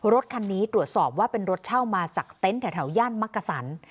รถคันนี้ตรวจสอบว่าเป็นรถเช่ามาจากเต็นต์แถวย่านมักกะสัน